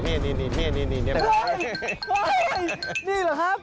เฮ่ยนี่เหรอครับ